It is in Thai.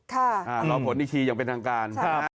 รอผลอีกทีอย่างเป็นทางการครับ